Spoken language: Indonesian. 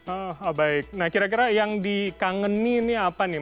oh baik nah kira kira yang dikangeni ini apa nih